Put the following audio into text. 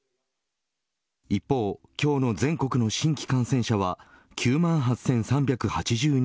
一方、今日の全国の新規感染者は９万８３８２人。